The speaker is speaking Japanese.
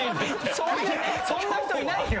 そんな人いないよ。